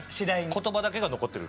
言葉だけが残ってる。